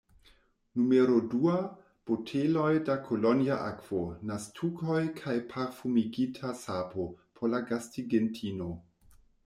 Numero dua: Boteloj da kolonja akvo, naztukoj kaj parfumigita sapo; por la gastigintino.